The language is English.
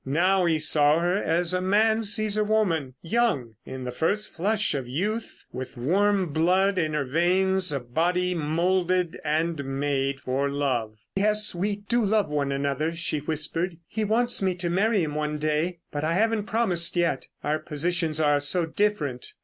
Now he saw her as a man sees a woman; young, in the first flush of youth with warm blood in her veins, a body moulded and made for love. "Yes, we do love one another," she whispered. "He wants me to marry him one day, but I haven't promised yet. Our positions are so different.